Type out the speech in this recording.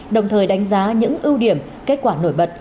đồng thời đánh giá những ưu điểm kết quả nổi bật